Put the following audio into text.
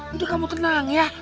itu kamu tenang ya